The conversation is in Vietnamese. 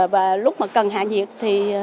và lúc mà cần hạ nhiệt thì